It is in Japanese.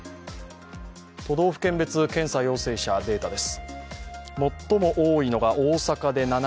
都道府県別、検査陽性者のデータです。